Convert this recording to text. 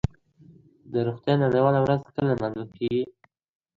د روغتیا نړیواله ورځ کله لمانځل کیږي؟